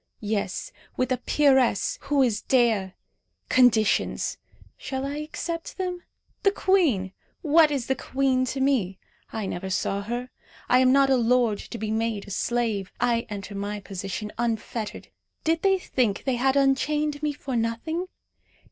Yes, with a peeress, who is Dea! Conditions! Shall I accept them? The queen! What is the queen to me? I never saw her. I am not a lord to be made a slave. I enter my position unfettered. Did they think they had unchained me for nothing?